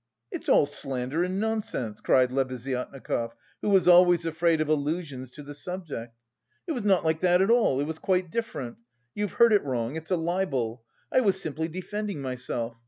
"It's all slander and nonsense!" cried Lebeziatnikov, who was always afraid of allusions to the subject. "It was not like that at all, it was quite different. You've heard it wrong; it's a libel. I was simply defending myself.